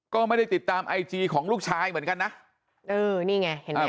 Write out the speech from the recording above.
ก็ไม่ได้ติดตามไอจีของลูกชายเหมือนกันนะเออนี่ไงเห็นไหม